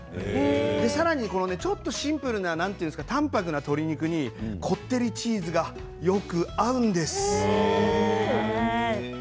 さらに、ちょっとシンプルな淡泊な鶏肉にこってりチーズが木村さん